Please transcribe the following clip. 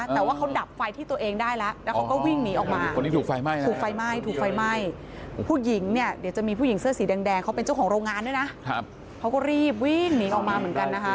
แต่ว่าเขาดับไฟที่ตัวเองได้แล้วแล้วเขาก็วิ่งหนีออกมาคนที่ถูกไฟไหม้ถูกไฟไหม้ถูกไฟไหม้ผู้หญิงเนี่ยเดี๋ยวจะมีผู้หญิงเสื้อสีแดงเขาเป็นเจ้าของโรงงานด้วยนะเขาก็รีบวิ่งหนีออกมาเหมือนกันนะคะ